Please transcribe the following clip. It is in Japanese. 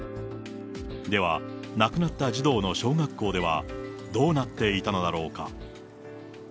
では、亡くなった児童の小学校では、どうなっていたのだろうか。